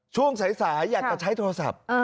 ช่วงสายอยากจะใช้โทรศัพท์